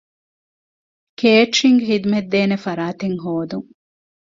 ކޭޓްރިންގ ޚިދުމަތްދޭނެ ފަރާތެއް ހޯދުން